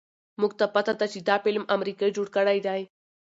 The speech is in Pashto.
مونږ ته پته ده چې دا فلم امريکې جوړ کړے دے